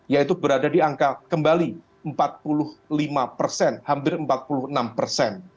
yaitu berada di angka kembali empat puluh lima persen hampir empat puluh enam persen